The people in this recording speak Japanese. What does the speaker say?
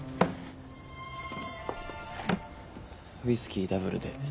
ウイスキーダブルで。